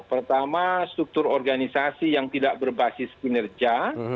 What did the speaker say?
pertama struktur organisasi yang tidak berbasis kinerja